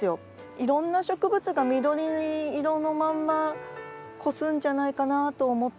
いろんな植物が緑色のまんま越すんじゃないかなと思ってます。